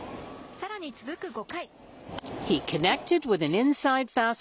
さらに続く５回。